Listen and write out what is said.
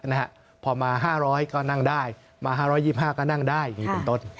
นะฮะพอมา๕๐๐ก็นั่งได้มา๕๒๕ก็นั่งได้อย่างนี้เป็นต้น